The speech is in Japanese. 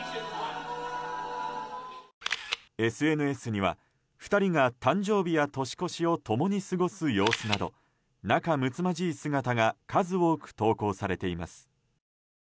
ＳＮＳには２人が誕生日や年越しを共に過ごす様子など仲むつまじい姿が数多く投稿されています。